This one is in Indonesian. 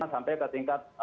sampai ke tingkat